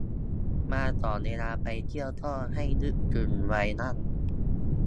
มาก่อนเวลาไปเที่ยวก็ให้นึกถึงไว้บ้าง